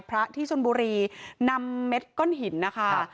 พระที่ชนบุรีนำเม็ดก้อนหินนะคะ